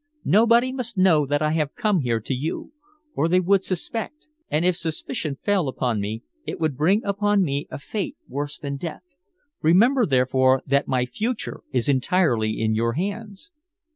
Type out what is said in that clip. Nobody must know that I have come here to you, or they would suspect; and if suspicion fell upon me it would bring upon me a fate worse than death. Remember, therefore, that my future is entirely in your hands."